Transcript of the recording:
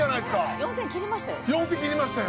４，０００円切りましたよ。